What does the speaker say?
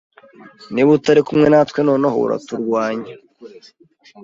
Niba utari kumwe natwe noneho uraturwanya.